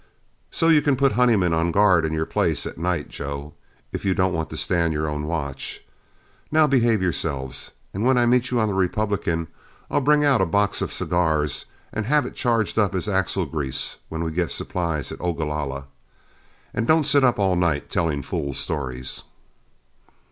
So you can put Honeyman on guard in your place at night, Joe, if you don't want to stand your own watch. Now behave yourselves, and when I meet you on the Republican, I'll bring out a box of cigars and have it charged up as axle grease when we get supplies at Ogalalla. And don't sit up all night telling fool stories."